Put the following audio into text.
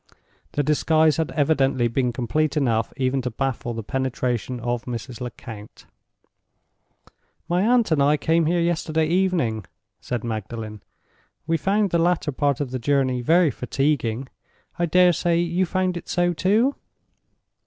The disguise had evidently been complete enough even to baffle the penetration of Mrs. Lecount. "My aunt and I came here yesterday evening," said Magdalen. "We found the latter part of the journey very fatiguing. I dare say you found it so, too?"